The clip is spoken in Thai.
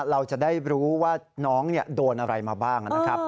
เราจะได้รู้ว่าน้องโดนอะไรมาบ้างนะครับ